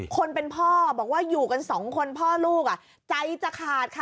คนเป็นพ่อบอกว่าอยู่กันสองคนพ่อลูกใจจะขาดค่ะ